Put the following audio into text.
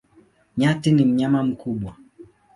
Nyati ni mnyama mkubwa.